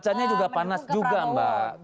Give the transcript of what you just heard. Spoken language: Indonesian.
cuacanya juga panas juga mbak